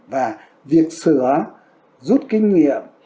và việc sửa giúp kinh nghiệm